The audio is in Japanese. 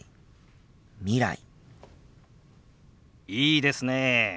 いいですねえ。